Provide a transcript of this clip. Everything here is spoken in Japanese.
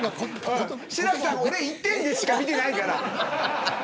志らくさん俺一点でしか見てないから。